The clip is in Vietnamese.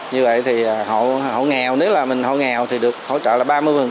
như vậy thì họ nghèo nếu là mình họ nghèo thì được hỗ trợ là ba mươi